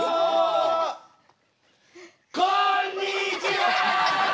こんにちは！